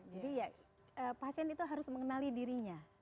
jadi ya pasien itu harus mengenali dirinya